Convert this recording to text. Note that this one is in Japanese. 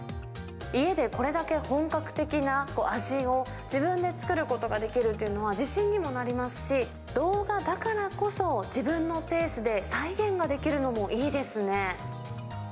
家でこれだけ本格的な味を、自分で作ることができるというのは、自信にもなりますし、動画だからこそ、自分のペースで再現ができるのもいいですね。